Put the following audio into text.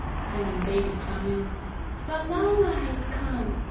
then in baby Tamil, "Salala has come!"